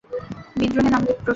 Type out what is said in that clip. বিদ্রোহে নামতে প্রস্তুত?